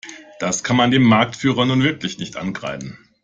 Das kann man dem Marktführer nun wirklich nicht ankreiden.